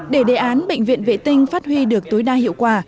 để đề án bệnh viện vệ tinh phát huy được tối đa hiệu quả